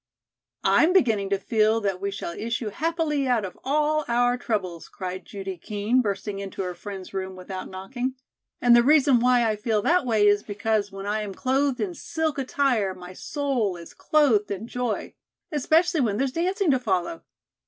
"I'm beginning to feel that we shall issue happily out of all our troubles," cried Judy Kean, bursting into her friends' room without knocking, "and the reason why I feel that way is because when I am clothed in silk attire my soul is clothed in joy. Especially when there's dancing to follow.